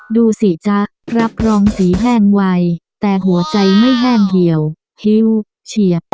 ดูสิจ๊ะรับรองสีแห้งไวแต่หัวใจไม่แห้งเหี่ยวฮิ้วเฉียบ